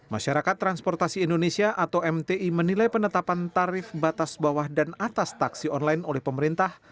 masyarakat transportasi indonesia atau mti menilai penetapan tarif batas bawah dan atas taksi online oleh pemerintah